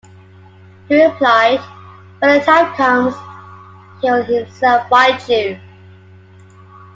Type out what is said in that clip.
He replied: 'When the time comes, he will himself find you.